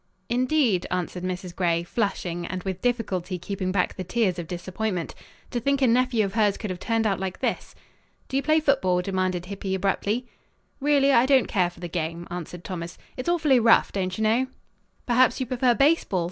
"Indeed?" answered Mrs. Gray, flushing and with difficulty keeping back the tears of disappointment. To think a nephew of hers could have turned out like this! "Do you play football?" demanded Hippy abruptly. "Really, I don't care for the game," answered Thomas. "It's awfully rough, don't you know." "Perhaps you prefer baseball?"